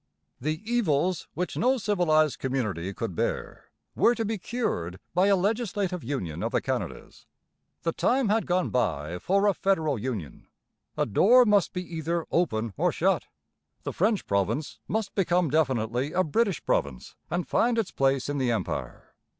The 'evils which no civilized community could bear' were to be cured by a legislative union of the Canadas. The time had gone by for a federal union. A door must be either open or shut; the French province must become definitely a British province and find its place in the Empire.